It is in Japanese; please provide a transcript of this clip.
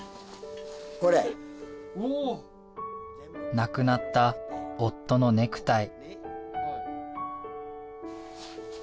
亡くなった夫のネクタイ。